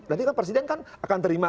nanti kan presiden kan akan terima